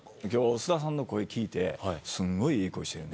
菅田さんの声を聞いてすごい、いい声してるね。